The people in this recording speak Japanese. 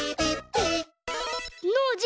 ノージー